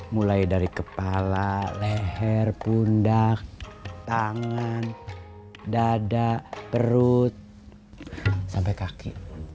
mulai dari kepala leher pundak tangan dada perut sampai kaki